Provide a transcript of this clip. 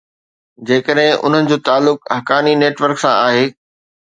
جيڪڏهن انهن جو تعلق حقاني نيٽ ورڪ سان آهي.